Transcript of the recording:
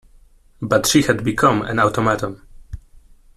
But she had become an automaton.